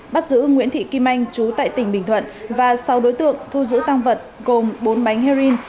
bác sứ nguyễn thị kim anh trú tại tỉnh bình thuận và sáu đối tượng thu giữ tăng vật gồm bốn bánh heroin